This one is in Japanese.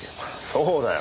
そうだよ。